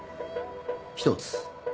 １つ。